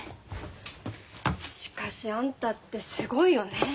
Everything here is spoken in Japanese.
しかしあんたってすごいよね。